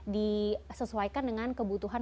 disesuaikan dengan kebutuhan